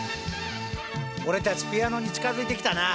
俺たちピアノに近づいてきたな！